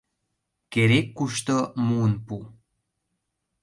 — Керек-кушто муын пу!